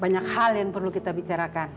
banyak hal yang perlu kita bicarakan